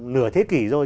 nửa thế kỷ rồi